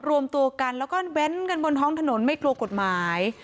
รวมตัวกันแล้วก็เว้นกันบนท้องถนนไม่กลัวกฎหมาย